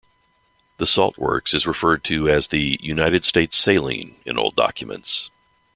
The salt works is referred to as the "United States Saline" in old documents.